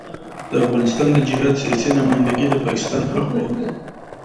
د افغانستان د جهاد سیاسي نمايندګي د پاکستان حق وو.